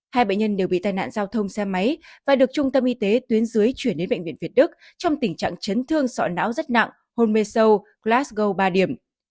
hai bệnh nhân đều bị tai nạn giao thông xe máy và được trung tâm y tế tuyến dưới chuyển đến bệnh viện việt đức trong tình trạng chấn thương sọ não rất nặng hôn mê sâu klasgo ba điểm